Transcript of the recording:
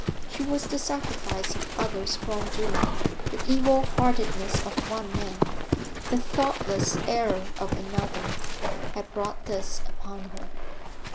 She was the sacrifice of others' wrong doing; the evil heartedness of one man, the thoughtless error of another, had brought this upon her.